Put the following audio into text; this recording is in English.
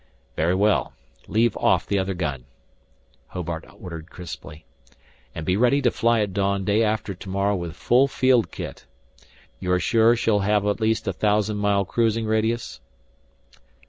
"Very well. Leave off the other gun," Hobart ordered crisply. "And be ready to fly at dawn day after tomorrow with full field kit. You're sure she'll have at least a thousand mile cruising radius?"